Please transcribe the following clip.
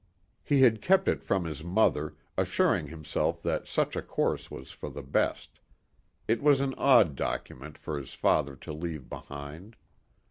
He had kept it from his mother, assuring himself that such a course was for the best. It was an odd document for his father to leave behind.